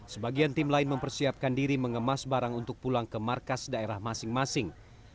sebagian tim lain mempersiapkan diri mengemas barang untuk pulang ke markas daerah masing masing